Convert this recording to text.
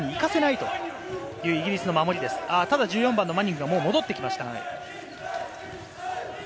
もう１４番のマニングは戻ってきました。